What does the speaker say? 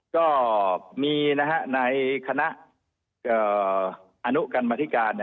ก็มีนะฮะในคณะอาณุกัณฑิการ